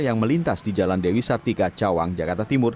yang melintas di jalan dewi sartika cawang jakarta timur